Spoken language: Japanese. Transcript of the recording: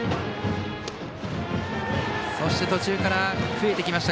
そして途中から増えてきました